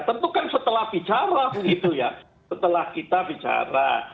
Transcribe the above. tentu kan setelah bicara begitu ya setelah kita bicara